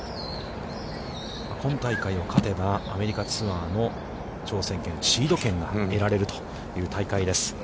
今大会を勝てば、アメリカツアーの挑戦権、シード権が得られるという大会です。